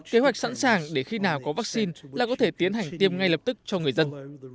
kế hoạch sẵn sàng để khi nào có vaccine là có thể tiến hành tiêm ngay lập tức cho người dân